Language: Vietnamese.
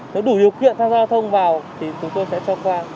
nếu đủ điều kiện tham gia đa thông vào thì chúng tôi sẽ cho qua